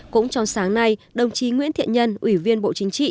cũng trong sáng nay đồng chí nguyễn thiện nhân ủy viên bộ chính trị